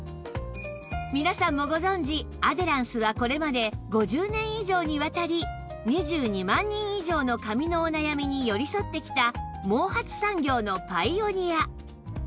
皆さんもご存じアデランスはこれまで５０年以上にわたり２２万人以上の髪のお悩みに寄り添ってきた毛髪産業のパイオニア